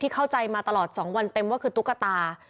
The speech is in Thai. เข้าใจมาตลอด๒วันเต็มว่าคือตุ๊กตา